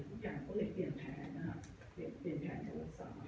คุณแกนก็เลยเปลี่ยนแผนนะฮะเปลี่ยนเปลี่ยนแผนการรักษา